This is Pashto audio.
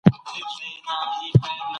باطل تل له منځه ځي.